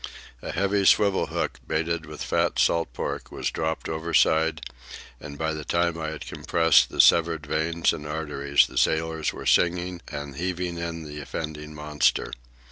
A heavy swivel hook, baited with fat salt pork, was dropped overside; and by the time I had compressed the severed veins and arteries, the sailors were singing and heaving in the offending monster.